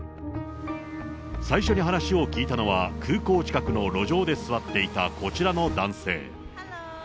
最初に話を聞いたのは空港近くの路上で座っていたこちらの男性。